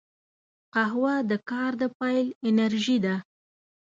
قهوه د کار د پیل انرژي ده